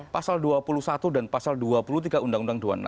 pasal dua puluh satu dan pasal dua puluh tiga undang undang dua puluh enam